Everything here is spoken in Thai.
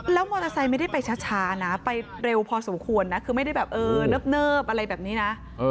แล้วมอเตอร์ไซค์ไม่ได้ไปช้านะไปเร็วพอสมควรนะคือไม่ได้แบบเออเนิบอะไรแบบนี้นะ